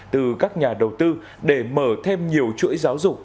từ các nhà đầu tư để mở thêm nhiều chuỗi giáo dục